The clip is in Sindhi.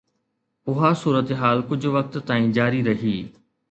اها صورتحال ڪجهه وقت تائين جاري رهي.